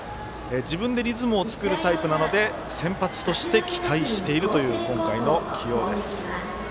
自分でリズムを作るタイプなので先発として期待しているという今回の起用です。